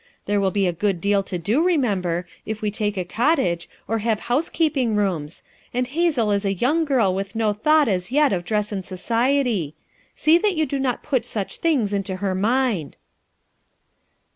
There will be a good deal to do, remember, if we take a cottage, or have housekeeping rooms, and Hazel is a youmr girl with no thought as yet of dress and society; see that you do not put such things in to her mind."